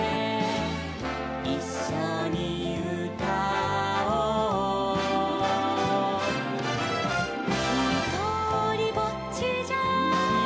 「いっしょにうたおう」「ひとりぼっちじゃ」